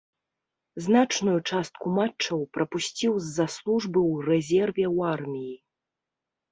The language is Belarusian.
Значную частку матчаў прапусціў з-за службы ў рэзерве ў арміі.